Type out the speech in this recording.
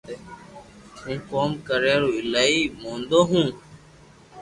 ھون ڪوم ڪريا رو ايلائي مودو ھون